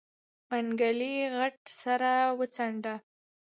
منګلي غټ سر وڅنډه.